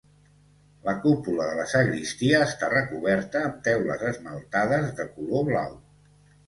La cúpula de la sagristia està recoberta amb teules esmaltades de color blau.